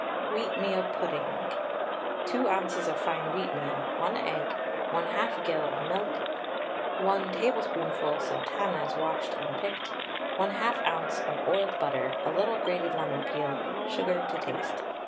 WHEATMEAL PUDDING. 2 oz. of fine wheatmeal, 1 egg, 1/2 gill of milk, 1 tablespoonful sultanas washed and picked, 1/2 oz. of oiled butter, a little grated lemon peel, sugar to taste.